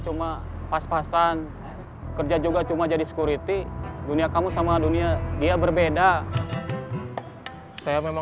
cuma pas pasan kerja juga cuma jadi security dunia kamu sama dunia dia berbeda saya memang